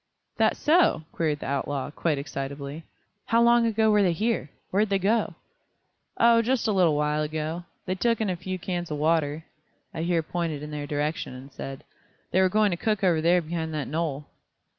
"That so?" queried the outlaw, quite excitably. "How long ago were they here? Where'd they go?" "Oh just a little while ago. They took in a few cans of water," I here pointed in their direction, and said: "They were going to cook over there behind that knoll."